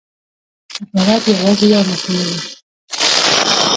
عبارت یوازي یو مفهوم لري.